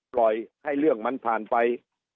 ปล่อยให้เรื่องมันผ่านไป